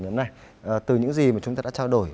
ngày hôm nay từ những gì mà chúng ta đã trao đổi